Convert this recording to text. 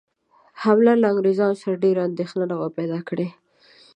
حمله له انګرېزانو سره ډېره اندېښنه نه وه پیدا کړې.